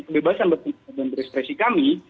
berbahasan dan berekspresi kami